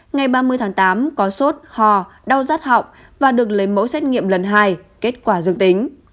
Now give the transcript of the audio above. ngày ba mươi tháng tám có sốt hò đau rát họng và được lấy mẫu xét nghiệm lần hai kết quả dương tính